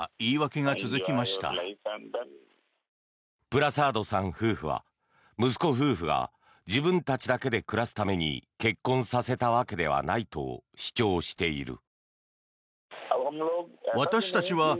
プラサードさん夫婦は息子夫婦が自分たちだけで暮らすために結婚させたわけではないと主張している。